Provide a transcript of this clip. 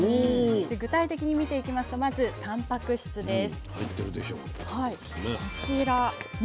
具体的に見ていきますとまずたんぱく質です。